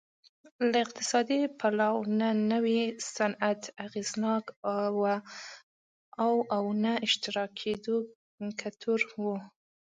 له اقتصادي پلوه نه نوی صنعت اغېزناک و او نه اشتراکیت ګټور و